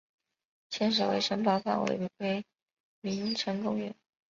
现时为城堡范围为名城公园。